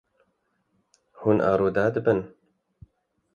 Hûn arode dibin.